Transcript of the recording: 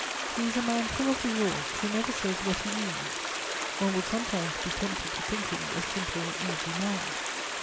He is a man full of resource, who never says what he means; one would sometimes be tempted to think him a simple, easy man.